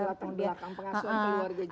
ada latar belakang pengasuhan keluarganya